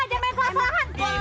aja main kelas rahan